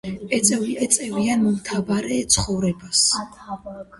ეწევიან მომთაბარე ცხოვრებას.